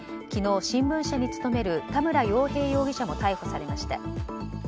昨日、新聞社に勤める田村洋平容疑者も逮捕されました。